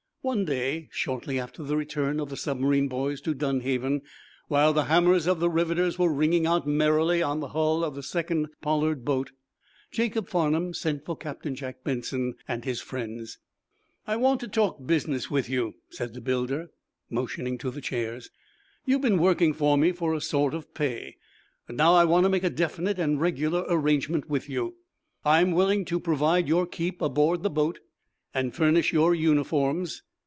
One day, shortly after the return of the submarine boys to Dunhaven, while the hammers of the riveters were ringing out merrily on the hull of the second Pollard boat, Jacob Farnum sent for Captain Jack Benson and his friends. "I want to talk business with you," said the builder, motioning to chairs. "You've been working for me for a sort of pay, but now I want to make a definite and regular arrangement with you. I'm willing to provide your keep aboard the boat, and furnish your uniforms.